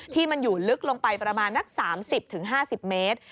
ที่มันอยู่ลึกลงไปประมาณนัก๓๐๕๐เมตร